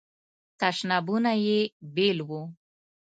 تشنابونه یې بیل وو.